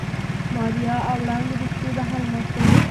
ماريا او وړانګې د شپې بهر ناستې.